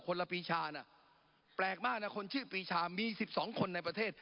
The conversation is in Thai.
ละปีชาน่ะแปลกมากนะคนชื่อปีชามี๑๒คนในประเทศ